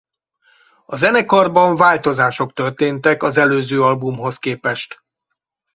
A zenekarban változások történtek az előző albumhoz képest.